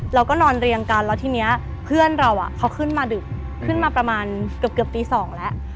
เราก็นอนเรียงกันแล้วทีนี้เพื่อนเราเขาขึ้นมาดึกขึ้นมาประมาณเกือบตี๒แล้ว